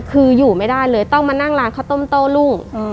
คืออยู่ไม่ได้เลยต้องมานั่งร้านข้าวต้มโต้รุ่ง